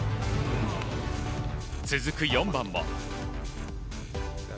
続く４番も。